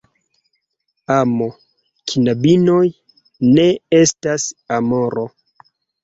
Amo, knabinoj, ne estas Amoro.